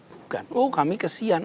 bukan oh kami kesian